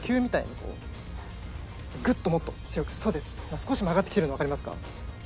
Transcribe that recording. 少し曲がってきてるのわかりますか？